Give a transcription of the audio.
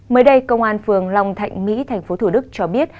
mới đây công an phường long thạnh mỹ tp thủ đức cho biết